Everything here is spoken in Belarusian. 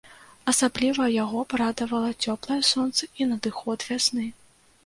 Асабліва яго парадавала цёплае сонца і надыход вясны.